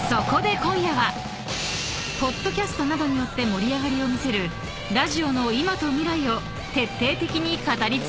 ［ポッドキャストなどによって盛り上がりを見せるラジオの今と未来を徹底的に語り尽くします］